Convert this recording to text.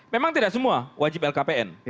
memang tidak semua wajib lkpn